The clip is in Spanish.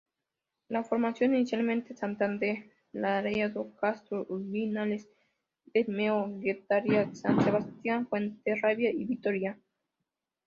La formaron inicialmente Santander, Laredo, Castro Urdiales, Bermeo, Guetaria, San Sebastián, Fuenterrabía y Vitoria.